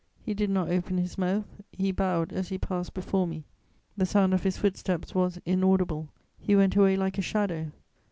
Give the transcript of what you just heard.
He did not open his mouth; he bowed as he passed before me; the sound of his footsteps was inaudible: he went away like a shadow.